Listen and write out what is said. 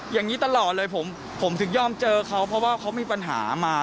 อย่างนี้ตลอดเลยผมถึงยอมเจอเขาเพราะว่าเขามีปัญหามา